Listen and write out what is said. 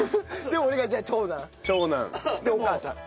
でお母さん。